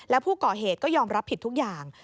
แล้วผู้ก่อเหตุก็ยอมรับผิดทุกอย่าง